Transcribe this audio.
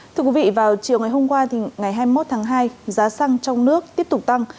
thưa quý vị vào chiều ngày hôm qua ngày hai mươi một tháng hai giá xăng trong nước tiếp tục tăng